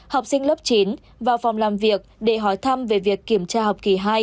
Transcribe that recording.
học sinh lớp chín vào phòng làm việc để hỏi thăm về việc kiểm tra học kỳ hai